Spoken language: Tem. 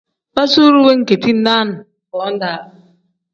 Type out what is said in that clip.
Basaru wengeti naani foo-daa.